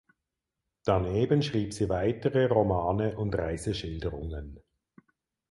Daneben schrieb sie weitere Romane und Reiseschilderungen.